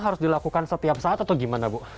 harus dilakukan setiap saat atau gimana bu